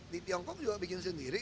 di tiongkok juga bikin sendiri